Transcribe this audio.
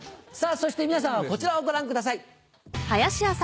そして皆さんはこちらをご覧ください。